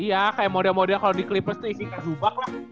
iya kayak moda moda kalau di clippers itu evika zubac lah